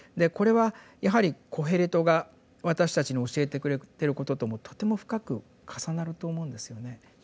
これはやはりコヘレトが私たちに教えてくれてることともとても深く重なると思うんですよね。